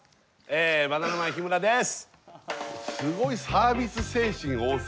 バナナマン日村です。